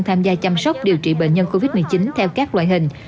tham gia chăm sóc điều trị bệnh nhân covid một mươi chín theo các loại hình